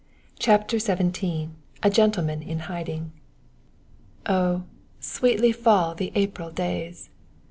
CHAPTER XVII A GENTLEMAN IN HIDING Oh, sweetly fall the April days!